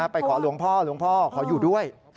ไปขอหลวงพ่อหลวงพ่อขออยู่ด้วย